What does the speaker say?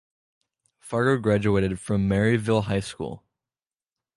Fargo graduated from Maryvale High School.